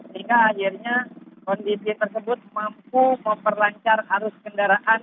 sehingga akhirnya kondisi tersebut mampu memperlancar arus kendaraan